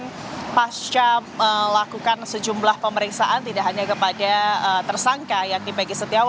dan pasca melakukan sejumlah pemeriksaan tidak hanya kepada tersangka